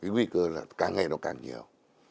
nguy cơ là càng ngày nó càng nhiều